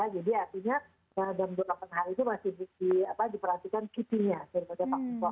jadi artinya dalam dua puluh delapan hari itu masih diperlaksakan kitinya